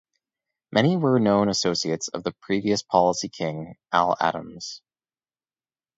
Many were known associates of the previous policy king Al Adams.